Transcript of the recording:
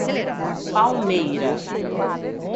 Palmeira